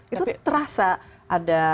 itu terasa ada